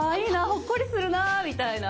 ほっこりするな」みたいな。